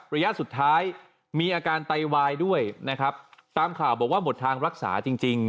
ระยะสุดท้ายมีอาการไตวายด้วยนะครับตามข่าวบอกว่าหมดทางรักษาจริงจริง